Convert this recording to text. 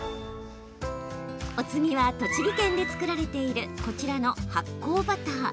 お次は、栃木県で作られているこちらの発酵バター。